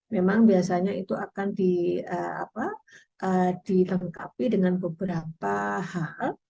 memang biasanya itu akan dilengkapi dengan beberapa hal